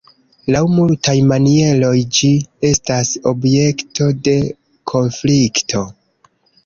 Laŭ multaj manieroj ĝi estas objekto de konflikto.